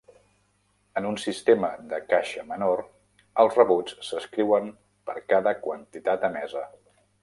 En un sistema de caixa menor, els rebuts s'escriuen per cada quantitat emesa.